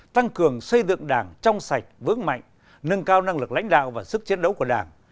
tăng cường xây dựng đảng trong sạch vững mạnh nâng cao năng lực lãnh đạo và sức chiến đấu của đảng